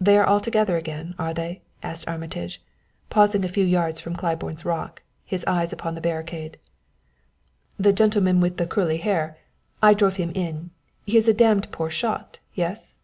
"They are all together again, are they?" asked Armitage, pausing a few yards from Claiborne's rock, his eyes upon the barricade. "The gentleman with the curly hair I drove him in. He is a damned poor shot yes?"